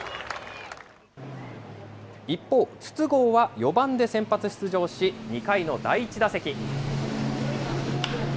一方、筒香は４番で先発出場し、２回の第１打席。